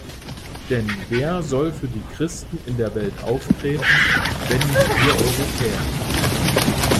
Denn wer soll für die Christen in der Welt auftreten, wenn nicht wir Europäer?